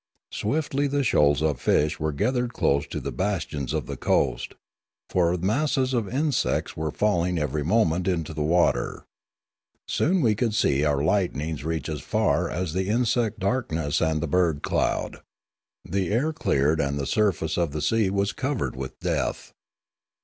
Swiftly the shoals of fish were gathered close to the bastions of the coast, for masses of insects were fall The Lilaran 18 o ing every moment into the water. Soon we could see our lightnings reach as far as the insect darkness and the bird cloud. The air cleared and the surface of the sea was covered with death.